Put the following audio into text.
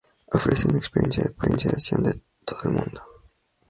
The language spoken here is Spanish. Ofrece una experiencia de programación de todo el mundo.